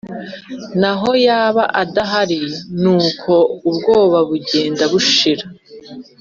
n’aho yaba adahari n nuko ubwobabugenda bushira.